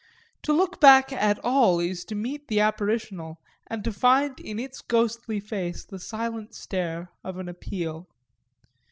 To look back at all is to meet the apparitional and to find in its ghostly face the silent stare of an appeal.